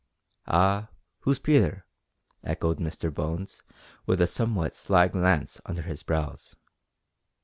"Ah, who's Peter?" echoed Mr Bones, with a somewhat sly glance under his brows.